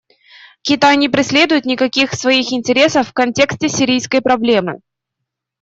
Китай не преследует никаких своих интересов в контексте сирийской проблемы.